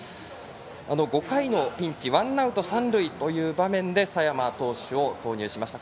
５回のピンチワンアウト三塁という場面で佐山投手を投入しました。